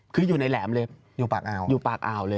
คืออยู่ในแหลมเลยอยู่ปากอาว